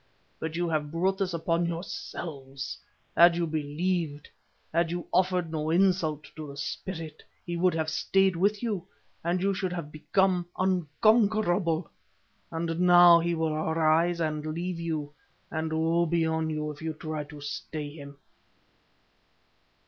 But you have brought this upon yourselves. Had you believed, had you offered no insult to the Spirit, he would have stayed with you, and you should have become unconquerable. Now he will arise and leave you, and woe be on you if you try to stay him.